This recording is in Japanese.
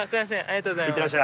ありがとうございます。